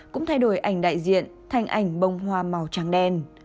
cũng thay đổi ảnh đại diện thành ảnh bông hoa màu trắng đen